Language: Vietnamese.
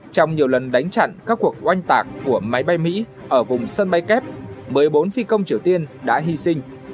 trong nhiều lần đánh chặn các cuộc oanh tạc của máy bay mỹ ở vùng sân bay kép một mươi bốn phi công triều tiên đã hy sinh